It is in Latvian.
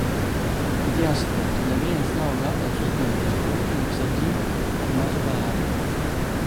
Bet jāsaprot, ka neviens nav gatavs uzņemties grūtības ar ģimeni ar mazu bērnu.